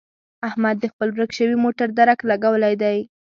احمد د خپل ورک شوي موټر درک لګولی دی.